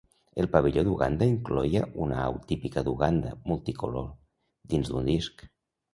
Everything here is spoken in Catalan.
El pavelló d'Uganda incloïa una au típica d'Uganda, multicolor, dins un disc.